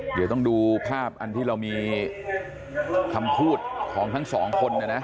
เดี๋ยวต้องดูภาพอันที่เรามีคำพูดของทั้งสองคนนะนะ